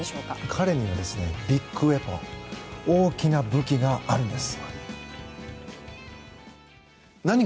彼にはビッグウェポン大きな武器があるんです。